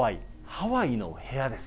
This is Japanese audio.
ハワイの部屋です。